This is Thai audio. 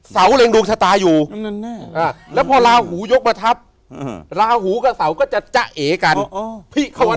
เสาเรียงดวงชะตาอยู่แล้วพอลาหูยกประทับลาหูกับเสาก็จะจ๊ะเอกัน